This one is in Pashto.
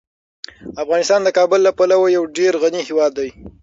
افغانستان د کابل له پلوه یو ډیر غني هیواد دی.